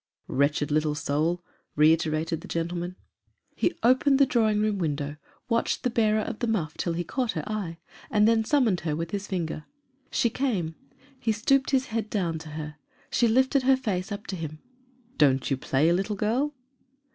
"Wretched little soul!" reiterated this gentleman. He 250 EMMA. opened the drawing room window, watched the bearer of the muff till he caught her eye, and then summoned her with his finger. She came ; he stooped his head down to her ; she lifted her face up to him. " Don't you play, little girl